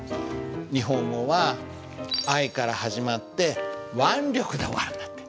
日本語は「愛」から始まって「腕力」で終わるんだって。